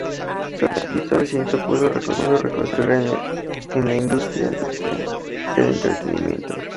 Solo el diez por ciento pudo reconstruir su carrera en la industria del entretenimiento.